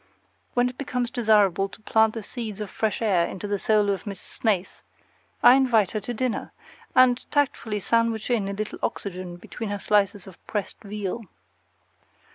When it becomes desirable to plant the seeds of fresh air in the soul of Miss Snaith, I invite her to dinner, and tactfully sandwich in a little oxygen between her slices of pressed veal.